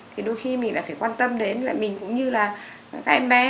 thì đôi khi mình lại phải quan tâm đến lại mình cũng như là các em bé